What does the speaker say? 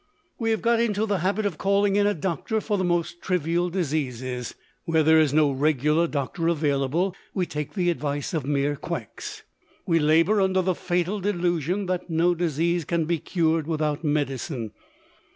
We have got into the habit of calling in a doctor for the most trivial diseases. Where there is no regular doctor available, we take the advice of mere quacks. We labour under the fatal delusion that no disease can be cured without medicine.